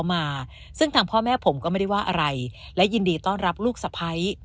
มาซึ่งทางพ่อแม่ผมก็ไม่ได้ว่าอะไรและยินดีต้อนรับลูกสะพ้าย